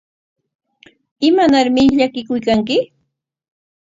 ¿Imanarmi llakikuykanki?